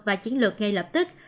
và chiến lược ngay lập tức